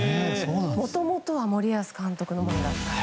もともとは森保監督だった。